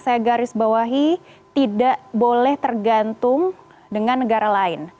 saya garis bawahi tidak boleh tergantung dengan negara lain